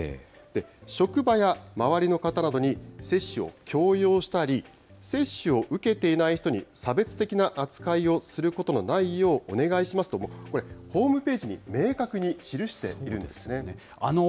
職場や周りの方などに接種を強要したり、接種を受けていない人に差別的な扱いをすることのないよう、お願いしますと、これ、ホームページに明確に記しているんですね。